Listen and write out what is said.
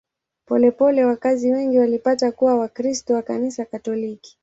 Polepole wakazi wengi walipata kuwa Wakristo wa Kanisa Katoliki.